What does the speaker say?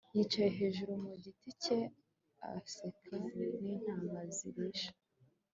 yicaye hejuru mu giti cye, aseka, n'intama zirisha